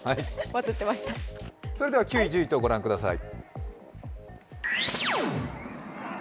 それでは９位、１０位とご覧ください。